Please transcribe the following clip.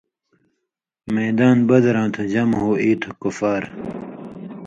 میدان بدراں تُھو جمع ہُو اِیتَھو کفار